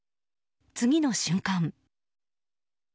次の瞬間。